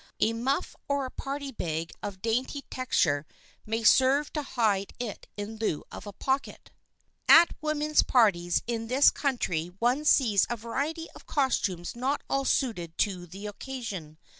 A muff or a party bag of dainty texture may serve to hide it in lieu of a pocket. [Sidenote: HAPHAZARD DRESSING] At women's parties in this country one sees a variety of costumes not all suited to the occasion.